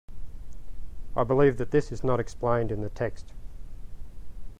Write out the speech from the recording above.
I believe that this is not explained in the text.